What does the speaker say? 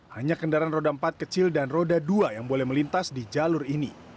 hanya kendaraan roda empat kecil dan roda dua yang boleh melintas di jalur ini